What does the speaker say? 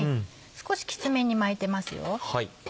少しきつめに巻いてますよ。